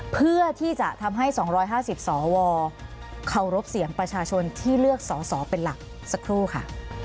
เพื่อที่จะทำให้๒๕๐สวเคารพเสียงประชาชนที่เลือกสอสอเป็นหลักสักครู่ค่ะ